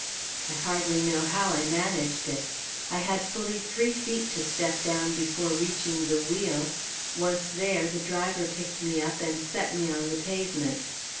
I hardly know how I managed it. I had fully three feet to step down before reaching the wheel; once there, the driver picked me up and set me on the pavement.